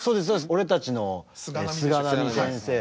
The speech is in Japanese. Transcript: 俺たちの菅波先生。